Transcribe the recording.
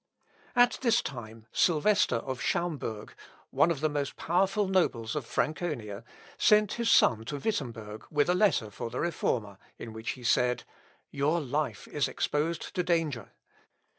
L. Op. (L.) xvii, p. 392. At this time Sylvester of Schaumburg, one of the most powerful nobles of Franconia, sent his son to Wittemberg with a letter for the Reformer, in which he said, "Your life is exposed to danger.